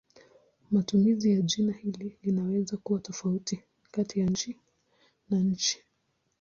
Matumizi ya jina hili linaweza kuwa tofauti kati ya nchi na nchi.